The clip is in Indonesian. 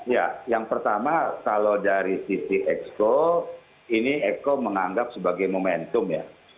ya yang pertama kalau dari sisi exco ini eko menganggap sebagai momentum ya